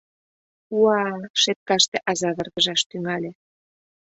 Уа!» — шепкаште аза варгыжаш тӱҥале.